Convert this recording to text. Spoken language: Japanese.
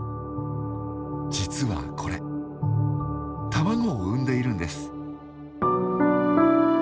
実はこれ卵を産んでいるんです。